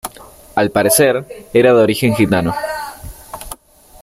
Al parecer, era de origen gitano.